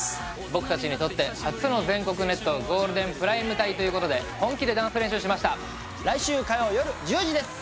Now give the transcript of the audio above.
僕達にとって初の全国ネットゴールデンプライム帯ということで本気でダンス練習しました来週火曜よる１０時です